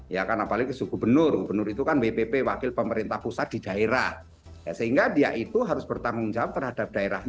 ya karena apalagi ke suguh gubernur gubernur itu kan bpp wakil pemerintah pusat di daerah sehingga dia itu harus bertanggung jawab terhadap daerah pusat